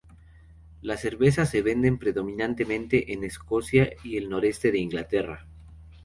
Las cervezas se venden predominantemente en Escocia y el noreste de Inglaterra.